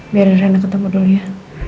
biarin reina ketemu dulu ya